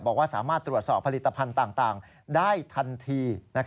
บอกว่าสามารถตรวจสอบผลิตภัณฑ์ต่างได้ทันที